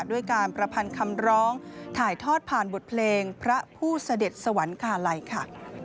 ด้วยการประพันธ์คำร้องถ่ายทอดผ่านบทเพลงพระผู้เสด็จสวรรคาลัยค่ะ